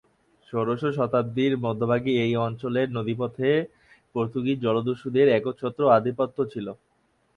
ষোড়শ শতাব্দীর মধ্যভাগে এই অঞ্চলের নদীপথে পর্তুগিজ জলদস্যুদের একচ্ছত্র আধিপত্য ছিল।